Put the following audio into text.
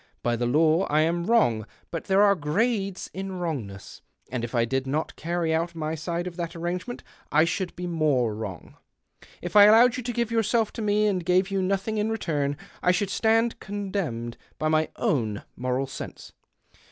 By the law [ am wrong, but there are grades in wrongness, md if I did not carry out my side of that irrano'ement I should he more wrono . If I illowed you to give yourself to me and gave >^ou nothing in return, I should stand con lemned l)y my own moral sense.